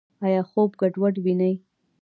ایا خوب ګډوډ وینئ؟